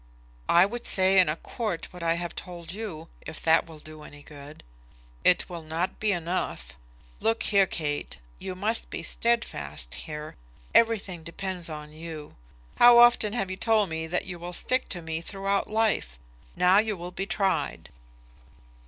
"I would say in a court what I have told you, if that will do any good." "It will not be enough. Look here, Kate; you must be steadfast here; everything depends on you. How often have you told me that you will stick to me throughout life? Now you will be tried."